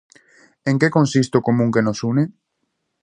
En que consiste o común que nos une?